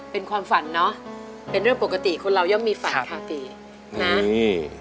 เป็นความฝันเนอะเป็นเรื่องปกติคุณเราย่อมมีฝันค่ะปี